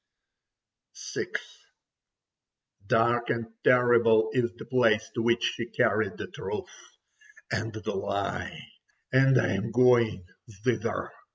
VI Dark and terrible is the place to which she carried the truth, and the lie—and I am going thither.